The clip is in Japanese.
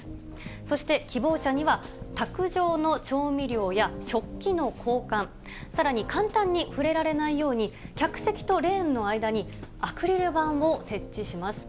そして希望者には、卓上の調味料や、食器の交換、さらに簡単に触れられないように、客席とレーンの間に、アクリル板を設置します。